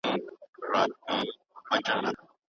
د خدای رضا په نیکو کارونو کي ده.